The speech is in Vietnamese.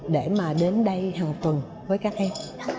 để mà đến đây hàng tuần với các em